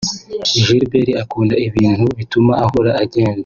Gilbert akunda ibintu bituma ahora agenda